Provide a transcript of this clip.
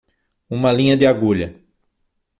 Uma linha de agulha